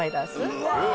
うわ。